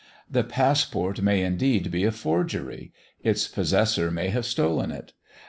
The passport may, indeed, be a forgery: its possessor may have stolen it.